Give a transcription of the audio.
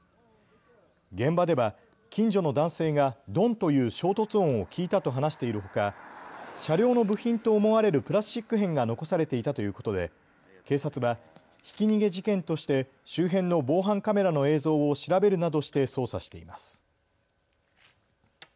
現場では近所の男性がドンという衝突音を聞いたと話しているほか車両の部品と思われるプラスチック片が残されていたということで警察はひき逃げ事件として周辺の防犯カメラの映像を調べるなどして捜査しています。